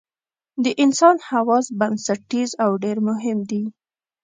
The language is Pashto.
د انسان حواس بنسټیز او ډېر مهم دي.